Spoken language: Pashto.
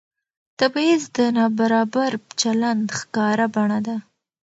تبعیض د نابرابر چلند ښکاره بڼه ده